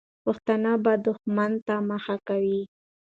پښتانه به دښمن ته مخه کوي.